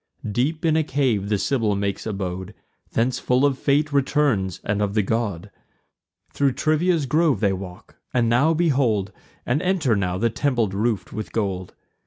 Deep in a cave the Sibyl makes abode; Thence full of fate returns, and of the god. Thro' Trivia's grove they walk; and now behold, And enter now, the temple roof'd with gold.